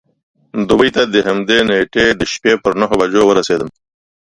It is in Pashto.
دوبۍ ته د همدې نېټې د شپې پر نهو بجو ورسېدم.